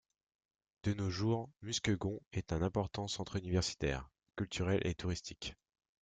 De nos jours, Muskegon est un important centre universitaire, culturel et touristique.